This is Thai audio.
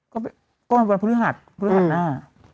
ก็วันพฤหัสพฤหัสหน้า